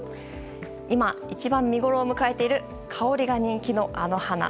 今一番見ごろを迎えている香りが人気のあの花。